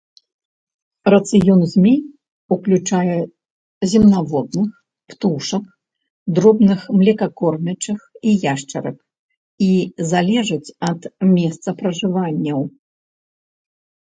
Рацыён змей уключае земнаводных, птушак, дробных млекакормячых і яшчарак, і залежыць ад месцапражыванняў.